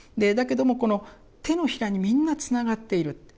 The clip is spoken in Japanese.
だけどもこの手のひらにみんなつながっている。